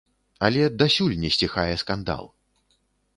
Але дасюль не сціхае скандал.